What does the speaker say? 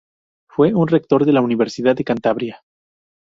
Fue rector de la Universidad de Cantabria.